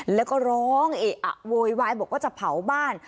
แล้วก็ร้องเอะอะโวยวายบอกว่าจะเผาบ้าน